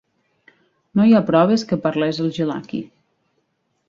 No hi ha proves que parlés el gilaki.